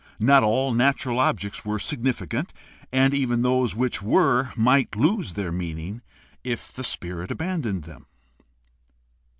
Not all natural objects were significant, and even those which were might lose their meaning if the spirit aban doned them.